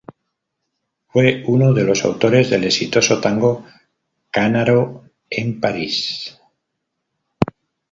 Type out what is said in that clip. Fue uno de los autores del exitoso tango "Canaro en París".